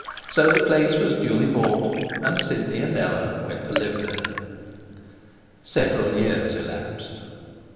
So the place was duly bought, and Sidney and Ella went to live there. Several years elapsed.